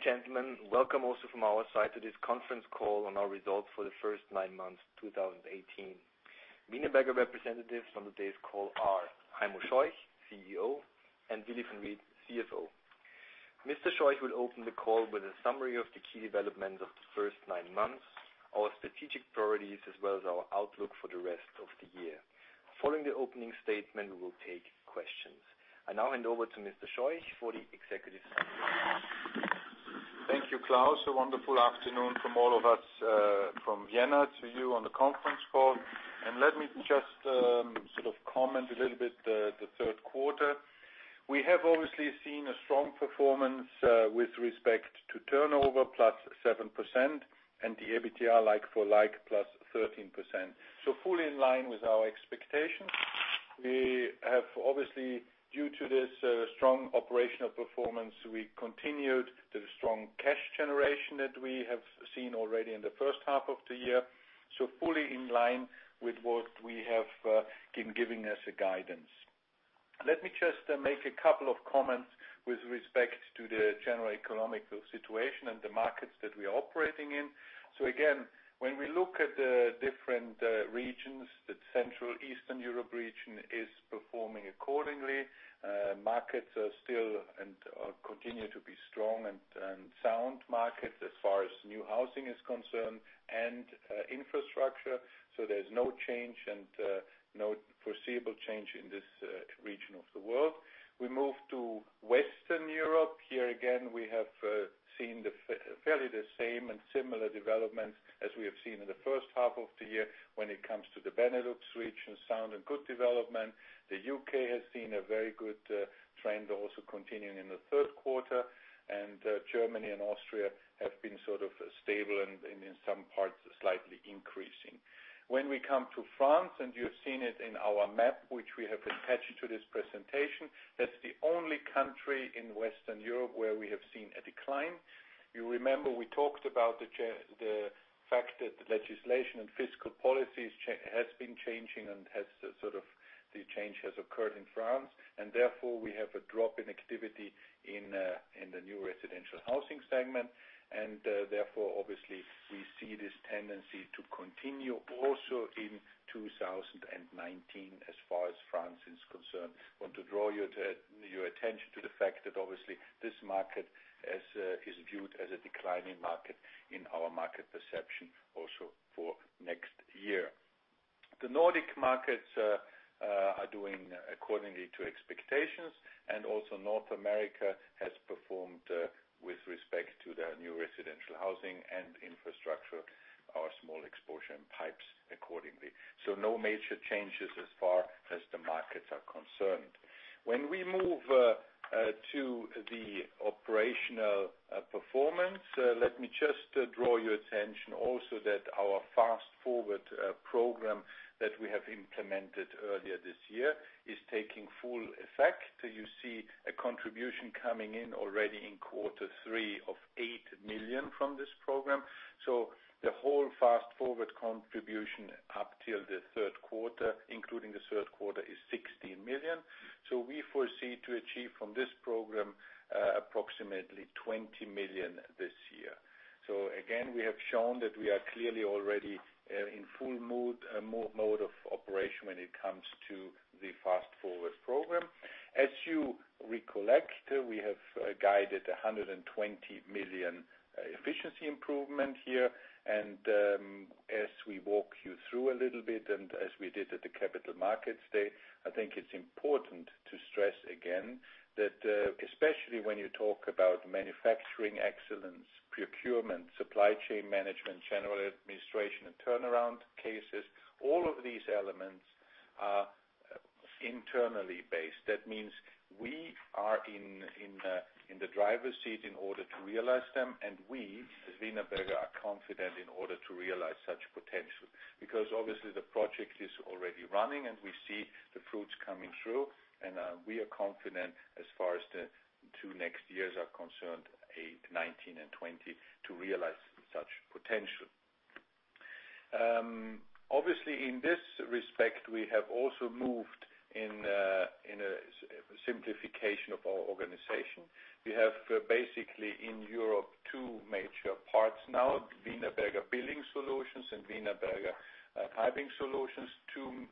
Ladies and gentlemen, welcome also from our side to this conference call on our results for the first nine months 2018. Wienerberger representatives on today's call are Heimo Scheuch, CEO, and Willy Van Riet, CFO. Mr. Scheuch will open the call with a summary of the key developments of the first nine months, our strategic priorities, as well as our outlook for the rest of the year. Following the opening statement, we will take questions. I now hand over to Mr. Scheuch for the executive summary. Thank you, Klaus. A wonderful afternoon from all of us from Vienna to you on the conference call. Let me just comment a little bit the third quarter. We have obviously seen a strong performance with respect to turnover, plus 7%, and the EBITDA like-for-like plus 13%. Fully in line with our expectations. We have obviously, due to this strong operational performance, we continued the strong cash generation that we have seen already in the first half of the year. Fully in line with what we have been giving as a guidance. Let me just make a couple of comments with respect to the general economic situation and the markets that we are operating in. Again, when we look at the different regions, the Central Eastern Europe region is performing accordingly. Markets are still and continue to be strong and sound markets as far as new housing is concerned and infrastructure. There's no change and no foreseeable change in this region of the world. We move to Western Europe. Here again, we have seen fairly the same and similar developments as we have seen in the first half of the year when it comes to the Benelux region, sound and good development. The U.K. has seen a very good trend also continuing in the third quarter, and Germany and Austria have been stable and in some parts, slightly increasing. When we come to France, and you have seen it in our map, which we have attached to this presentation, that's the only country in Western Europe where we have seen a decline. You remember we talked about the fact that the legislation and fiscal policies has been changing and the change has occurred in France, and therefore, we have a drop in activity in the new residential housing segment. Therefore, obviously, we see this tendency to continue also in 2019 as far as France is concerned. Want to draw your attention to the fact that obviously this market is viewed as a declining market in our market perception also for next year. The Nordic markets are doing accordingly to expectations, and also North America has performed with respect to the new residential housing and infrastructure, our small exposure in pipes accordingly. No major changes as far as the markets are concerned. When we move to the operational performance, let me just draw your attention also that our Fast Forward program that we have implemented earlier this year is taking full effect. You see a contribution coming in already in quarter three of 8 million from this program. The whole Fast Forward contribution up till the third quarter, including the third quarter, is 16 million. We foresee to achieve from this program approximately 20 million this year. Again, we have shown that we are clearly already in full mode of operation when it comes to the Fast Forward program. As you recollect, we have guided 120 million efficiency improvement here. As we walk you through a little bit and as we did at the Capital Markets Day, I think it's important to stress again that especially when you talk about manufacturing excellence, procurement, supply chain management, general administration, and turnaround cases, all of these elements are internally based. That means we are in the driver's seat in order to realize them, and we, as Wienerberger, are confident in order to realize such potential. Obviously the project is already running, and we see the fruits coming through, and we are confident as far as the two next years are concerned, 2019 and 2020, to realize such potential. Obviously, in this respect, we have also moved in a simplification of our organization. We have basically in Europe two major parts now, Wienerberger Building Solutions and Wienerberger Paving Solutions. Two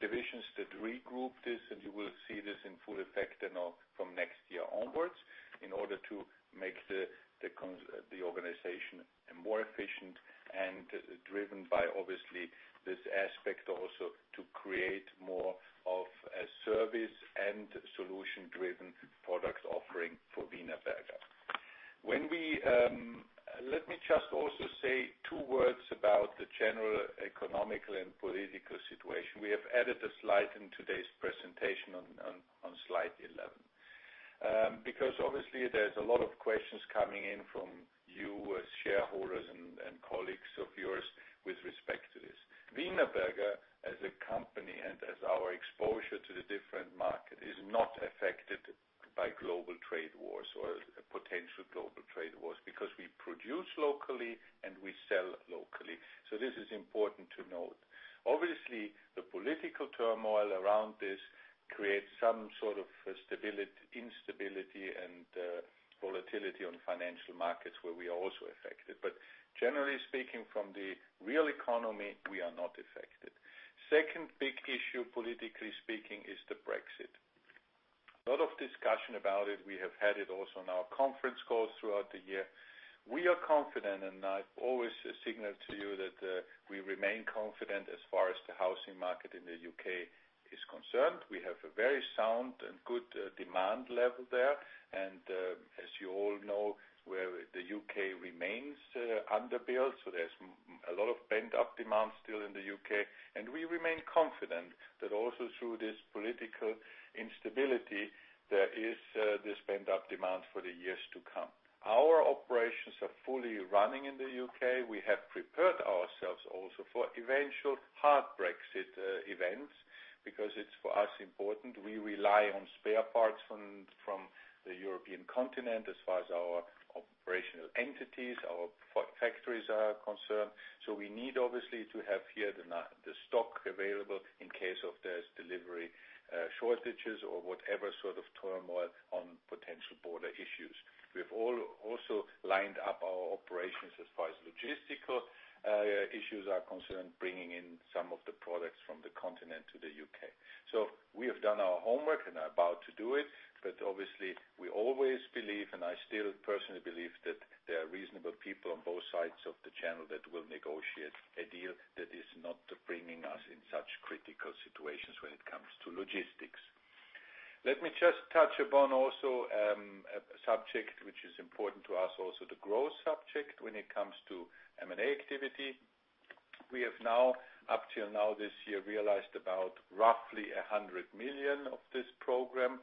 divisions that regroup this. You will see this in full effect Second big issue, politically speaking, is the Brexit. A lot of discussion about it. We have had it also on our conference calls throughout the year. We are confident. I've always signaled to you that we remain confident as far as the housing market in the U.K. is concerned. We have a very sound and good demand level there. As you all know, where the U.K. remains underbuilt, there's a lot of pent-up demand still in the U.K. We remain confident that also through this political instability, there is this pent-up demand for the years to come. Our operations are fully running in the U.K. We have prepared ourselves also for eventual hard Brexit events because it's, for us, important. We rely on spare parts from the European continent as far as our operational entities, our factories are concerned. We need, obviously, to have here the stock available in case of there's delivery shortages or whatever sort of turmoil on potential border issues. We have also lined up our operations as far as logistical issues are concerned, bringing in some of the products from the continent to the U.K. We have done our homework and are about to do it, obviously, we always believe, and I still personally believe that there are reasonable people on both sides of the channel that will negotiate a deal that is not bringing us in such critical situations when it comes to logistics. Let me just touch upon also a subject which is important to us also, the growth subject when it comes to M&A activity. We have now, up till now this year, realized about roughly 100 million of this program.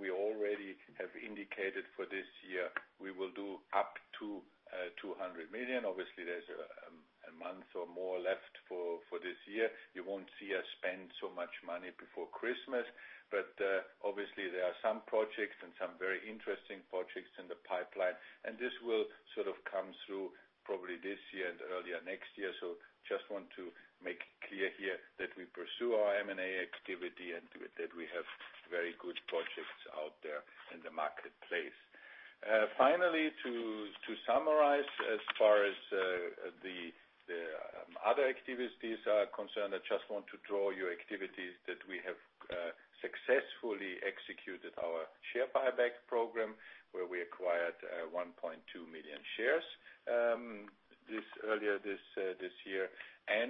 We already have indicated for this year we will do up to 200 million. Obviously, there's a month or more left for this year. You won't see us spend so much money before Christmas. Obviously, there are some projects and some very interesting projects in the pipeline, and this will sort of come through probably this year and earlier next year. Just want to make clear here that we pursue our M&A activity and that we have very good projects out there in the marketplace. Finally, to summarize, as far as the other activities are concerned, I just want to draw your activities that we have successfully executed our share buyback program, where we acquired 1.2 million shares earlier this year.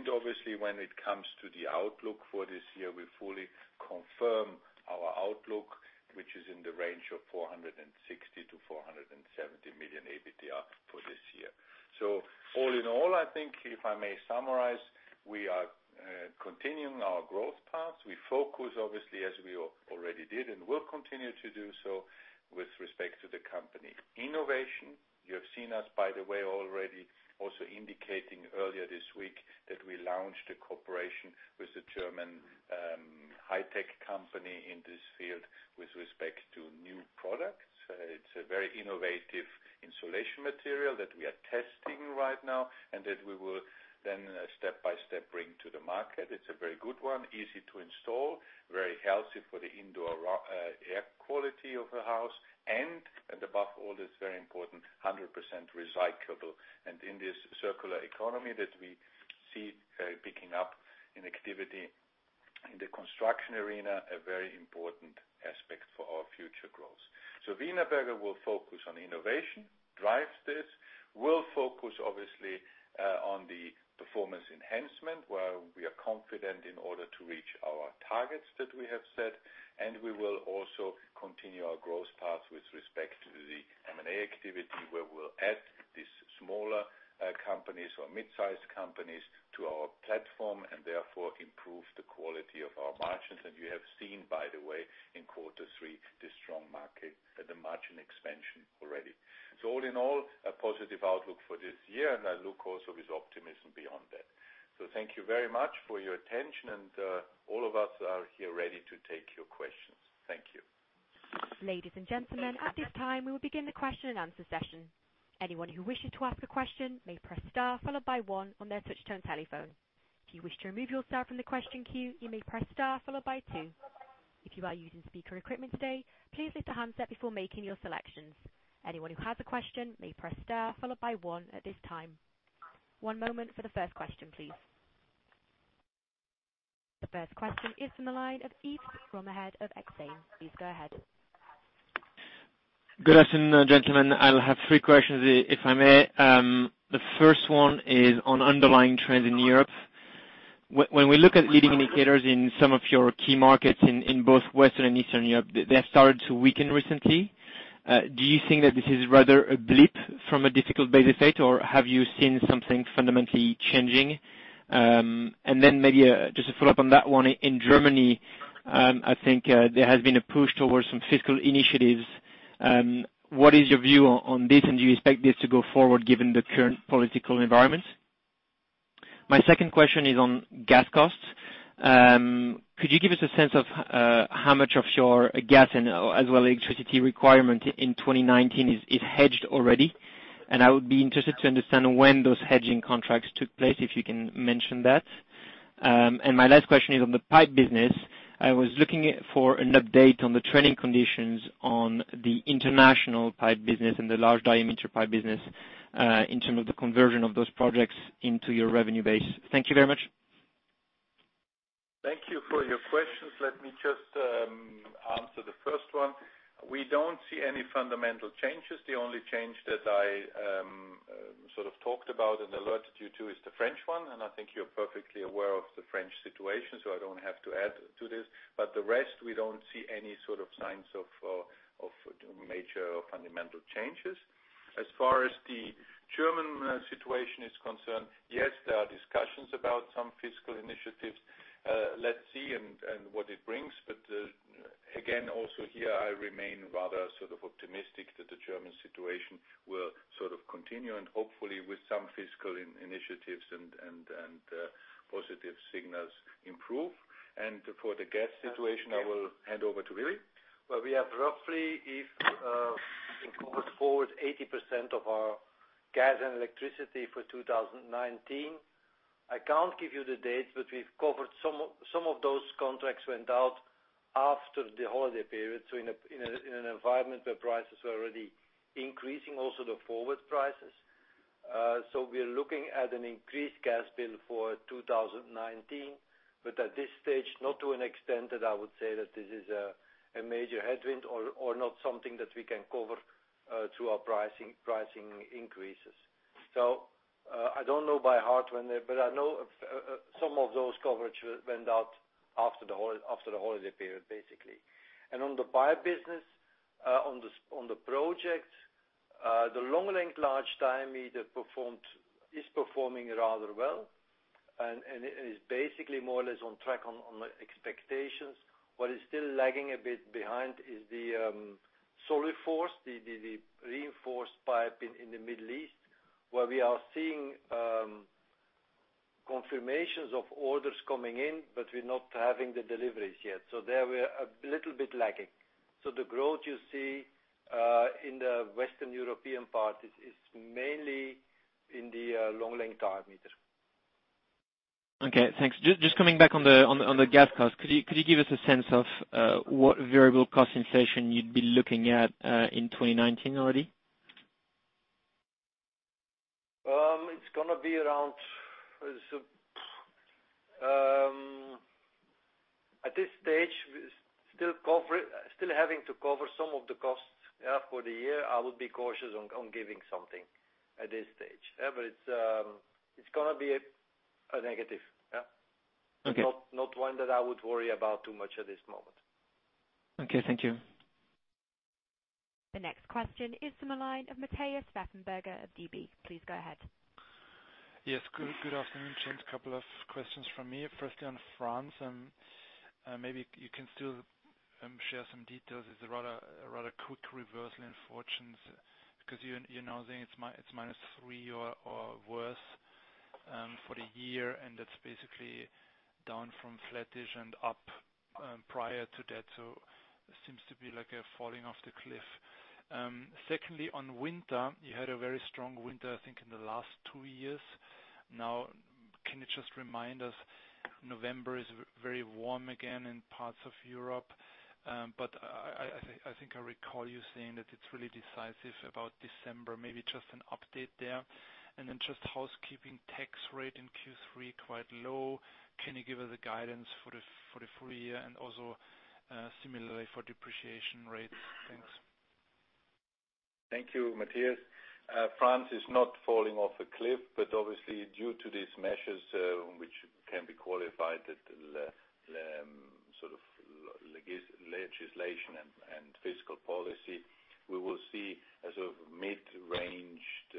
Obviously, when it comes to the outlook for this year, we fully confirm our outlook, which is in the range of 460 million-470 million EBITDA for this year. All in all, I think if I may summarize, we are continuing our growth paths. We focus, obviously, as we already did and will continue to do so with respect to the company. Innovation. You have seen us, by the way, already also indicating earlier this week that we launched a cooperation with a German high-tech company in this field with respect to new products. It's a very innovative insulation material that we are testing right now and that we will then step by step bring to the market. It's a very good one, easy to install, very healthy for the indoor air quality of the house, and above all, it's very important, 100% recyclable. In this circular economy that we see picking up in activity in the construction arena, a very important aspect for our future growth. Wienerberger will focus on innovation, drive this. We'll focus obviously, on the performance enhancement, where we are confident in order to reach our targets that we have set, and we will also continue our growth path with respect to the M&A activity, where we'll add these smaller companies or mid-size companies to our platform and therefore improve the quality of our margins. You have seen, by the way, in quarter three, the strong market at the margin expansion already. All in all, a positive outlook for this year, and I look also with optimism beyond that. Thank you very much for your attention, and all of us are here ready to take your questions. Thank you. Ladies and gentlemen, at this time, we will begin the question and answer session. Anyone who wishes to ask a question may press star followed by one on their touch-tone telephone. If you wish to remove yourself from the question queue, you may press star followed by two. If you are using speaker equipment today, please lift the handset before making your selections. Anyone who has a question may press star followed by one at this time. One moment for the first question, please. The first question is from the line of Yves Bromehead of Exane. Please go ahead. Good afternoon, gentlemen. I'll have three questions, if I may. The first one is on underlying trends in Europe. When we look at leading indicators in some of your key markets in both Western and Eastern Europe, they have started to weaken recently. Do you think that this is rather a blip from a difficult base effect, or have you seen something fundamentally changing? Maybe just to follow up on that one. In Germany, I think there has been a push towards some fiscal initiatives. What is your view on this, and do you expect this to go forward given the current political environment? My second question is on gas costs. Could you give us a sense of how much of your gas and as well electricity requirement in 2019 is hedged already? I would be interested to understand when those hedging contracts took place, if you can mention that. My last question is on the pipe business. I was looking for an update on the trading conditions on the international pipe business and the large diameter pipe business in terms of the conversion of those projects into your revenue base. Thank you very much. Thank you for your questions. Let me just answer the first one. We don't see any fundamental changes. The only change that I sort of talked about and alerted you to is the French one, and I think you're perfectly aware of the French situation, so I don't have to add to this. The rest, we don't see any sort of signs of major fundamental changes. As far as the German situation is concerned, yes, there are discussions about some fiscal initiatives. Let's see and what it brings. Again, also here, I remain rather optimistic that the German situation will continue, and hopefully with some fiscal initiatives and positive signals improve. For the gas situation, I will hand over to Willy. We have roughly, going forward, 80% of our gas and electricity for 2019. I can't give you the dates, but some of those contracts went out after the holiday period. In an environment where prices were already increasing, also the forward prices. We are looking at an increased gas bill for 2019. At this stage, not to an extent that I would say that this is a major headwind or not something that we can cover through our pricing increases. I don't know by heart when, but I know some of those coverage went out after the holiday period, basically. On the pipe business, on the project, the long length large diameter is performing rather well and is basically more or less on track on expectations. What is still lagging a bit behind is the Soluforce, the reinforced pipe in the Middle East, where we are seeing confirmations of orders coming in, but we're not having the deliveries yet. There, we are a little bit lagging. The growth you see in the Western European part is mainly in the long length diameter. Okay, thanks. Just coming back on the gas cost, could you give us a sense of what variable cost inflation you'd be looking at in 2019 already? At this stage, still having to cover some of the costs, yeah, for the year. I would be cautious on giving something at this stage. Yeah. It's going to be a negative. Yeah. Okay. Not one that I would worry about too much at this moment. Okay, thank you. The next question is from the line of Matthias Pfeifenberger of DB. Please go ahead. Yes, good afternoon, gents. A couple of questions from me. Firstly, on France, maybe you can still share some details. It's a rather quick reversal in fortunes because you're now saying it's minus 3% or worse for the year, and that's basically down from flattish and up prior to that, so it seems to be like a falling off the cliff. Secondly, on winter, you had a very strong winter, I think, in the last two years. Now, can you just remind us, November is very warm again in parts of Europe. I think I recall you saying that it's really decisive about December, maybe just an update there. Just housekeeping tax rate in Q3, quite low. Can you give us a guidance for the full year and also similarly for depreciation rates? Thanks. Thank you, Matthias. France is not falling off a cliff, obviously due to these measures which can be qualified, sort of legislation and fiscal policy, we will see as a mid-ranged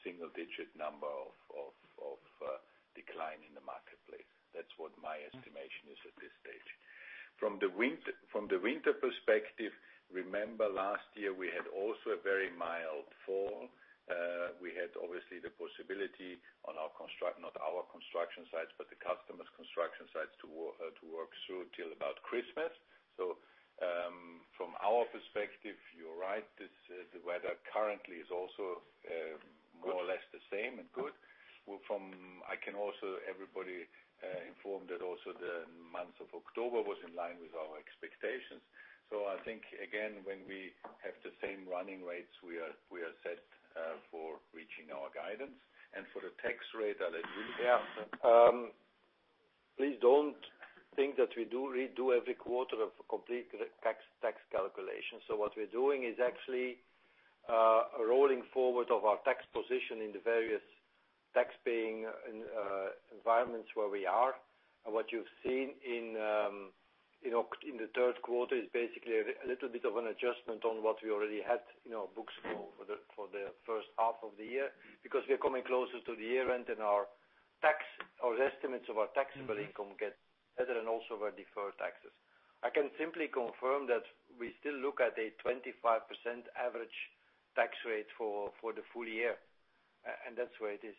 single-digit number of decline in the marketplace. That's what my estimation is at this stage. From the winter perspective, remember last year we had also a very mild fall. We had obviously the possibility on our not our construction sites, but the customer's construction sites to work through till about Christmas. From our perspective, you're right, the weather currently is also more or less the same and good. I can also everybody inform that also the month of October was in line with our expectations. I think, again, when we have the same running rates, we are set for reaching our guidance. For the tax rate, I let Willy answer. Please don't think that we do every quarter of complete tax calculation. What we're doing is actually a rolling forward of our tax position in the various tax-paying environments where we are. What you've seen in the third quarter is basically a little bit of an adjustment on what we already had in our books for the first half of the year. Because we are coming closer to the year-end and our estimates of our taxable income get better and also our deferred taxes. I can simply confirm that we still look at a 25% average tax rate for the full year. That's why it is,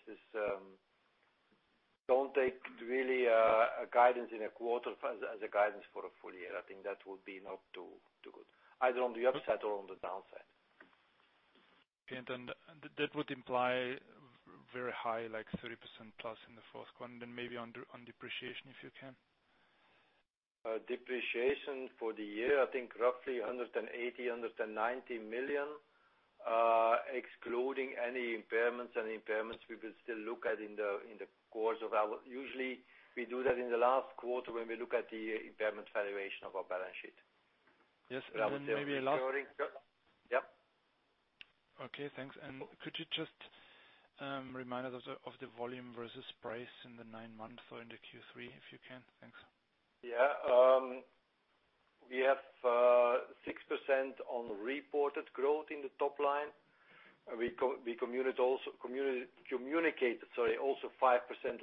don't take really a guidance in a quarter as a guidance for a full year. I think that would be not too good, either on the upside or on the downside. Okay. That would imply very high, like 30%+ in the fourth quarter, and then maybe on depreciation, if you can. Depreciation for the year, I think roughly 180 million-190 million, excluding any impairments. Impairments, we will still look at in the course of our Usually we do that in the last quarter when we look at the impairment valuation of our balance sheet. Yes. Yep. Okay, thanks. Could you just remind us of the volume versus price in the nine months or into Q3, if you can? Thanks. Yeah. We have 6% on reported growth in the top line. We communicated also 5%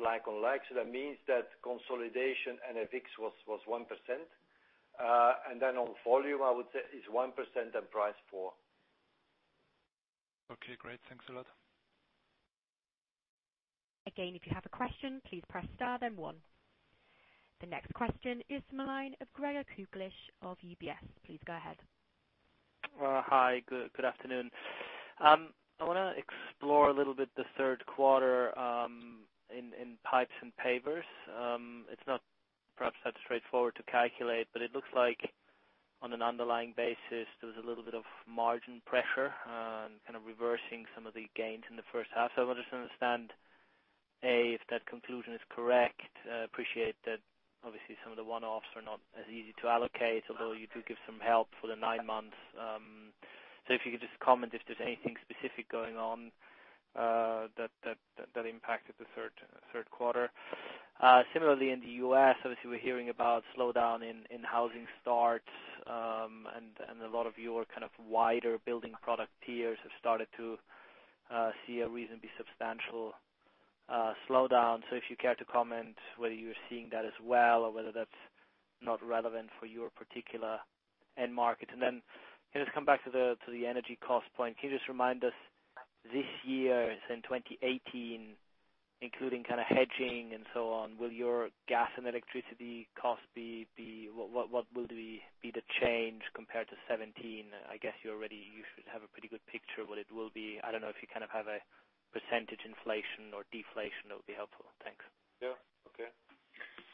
like-on-like, so that means that consolidation and FX was 1%. Then on volume, I would say is 1% and price, 4%. Okay, great. Thanks a lot. Again, if you have a question, please press star then one. The next question is the line of Gregor Kuglitsch of UBS. Please go ahead. Hi, good afternoon. I want to explore a little bit the third quarter in pipes and pavers. It is not perhaps that straightforward to calculate, but it looks like on an underlying basis, there was a little bit of margin pressure and kind of reversing some of the gains in the first half. I want to just understand, A, if that conclusion is correct, appreciate that obviously some of the one-offs are not as easy to allocate, although you do give some help for the nine months. If you could just comment if there is anything specific going on that impacted the third quarter. Similarly, in the U.S. obviously we are hearing about slowdown in housing starts, and a lot of your kind of wider building product tiers have started to see a reasonably substantial slowdown. If you care to comment whether you are seeing that as well or whether that is not relevant for your particular end market. Can I just come back to the energy cost point. Can you just remind us this year in 2018, including hedging and so on, will your gas and electricity cost be. What will be the change compared to 2017? I guess you already should have a pretty good picture what it will be. I do not know if you have a percentage inflation or deflation, that would be helpful. Thanks. Yeah. Okay.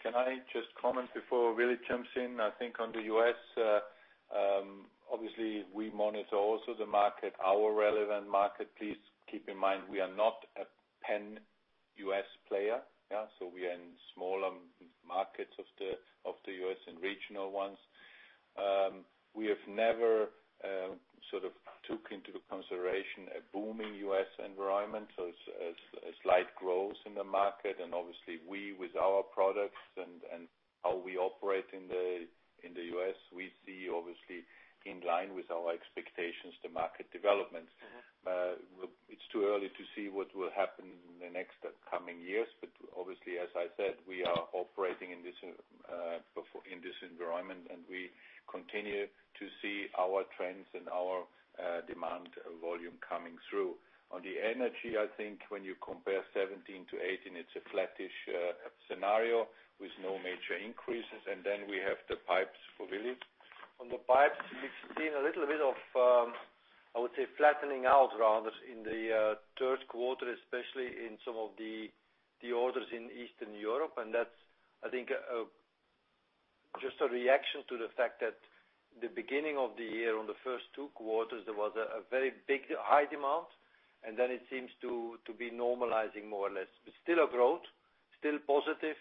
Can I just comment before Willy jumps in? I think on the U.S., obviously we monitor also the market, our relevant market. Please keep in mind, we are not a pan-U.S. player. We are in smaller markets of the U.S. and regional ones. We have never sort of took into consideration a booming U.S. environment, so a slight growth in the market. Obviously we, with our products and how we operate in the U.S., we see obviously in line with our expectations, the market developments. It's too early to see what will happen in the next coming years. Obviously, as I said, we are operating in this environment, and we continue to see our trends and our demand volume coming through. On the energy, I think when you compare 2017 to 2018, it's a flattish scenario with no major increases. Then we have the pipes for Willy. On the pipes, we've seen a little bit of, I would say flattening out rather in the third quarter, especially in some of the orders in Eastern Europe. That's, I think, just a reaction to the fact that the beginning of the year, on the first two quarters, there was a very big high demand, then it seems to be normalizing more or less. Still a growth, still positive.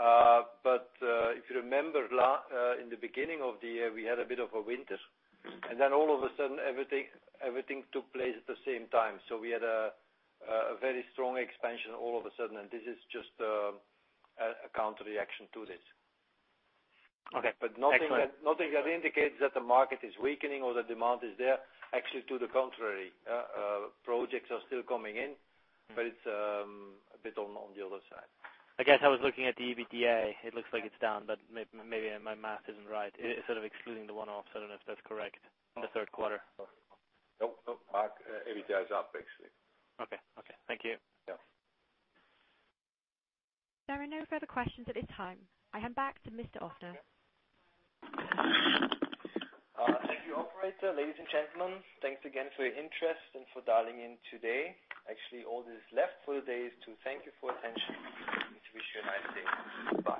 If you remember in the beginning of the year, we had a bit of a winter, then all of a sudden everything took place at the same time. We had a very strong expansion all of a sudden. This is just a counterreaction to this. Okay. Excellent. Nothing that indicates that the market is weakening or the demand is there. Actually to the contrary. Projects are still coming in, but it's a bit on the other side. I guess I was looking at the EBITDA. It looks like it's down, but maybe my math isn't right. It is sort of excluding the one-off. I don't know if that's correct in the third quarter. No. EBITDA is up, actually. Okay. Thank you. Yeah. There are no further questions at this time. I hand back to Mr. Ofner. Thank you, operator. Ladies and gentlemen, thanks again for your interest and for dialing in today. Actually, all that is left for today is to thank you for attention and to wish you a nice day. Bye.